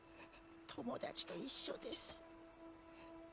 友達と一緒です